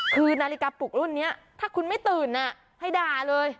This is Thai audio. คือนาฬิกาปลุกรุ่นนี้ถ้าคุณไม่ตื่นให้ด่าเลย